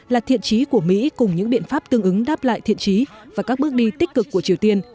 là thiện trí của mỹ cùng những biện pháp tương ứng đáp lại thiện trí và các bước đi tích cực của triều tiên